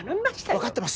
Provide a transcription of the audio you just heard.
分かってます